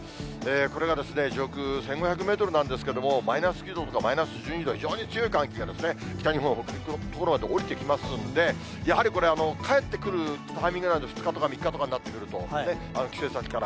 これが上空１５００メートルなんですけれども、マイナス９度とか、マイナス１２度、非常に強い寒気が北日本、北陸の所まで下りてきますんで、やはり、これ、帰ってくるタイミングなので、２日とか、３日とかになると、帰省先から。